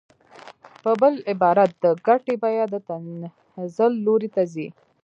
په بل عبارت د ګټې بیه د تنزل لوري ته ځي